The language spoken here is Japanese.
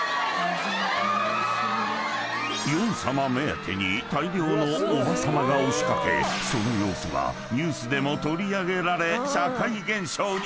［ヨン様目当てに大量のおばさまが押し掛けその様子はニュースでも取り上げられ社会現象に］